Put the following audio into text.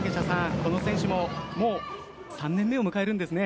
この選手ももう３年目を迎えるんですね。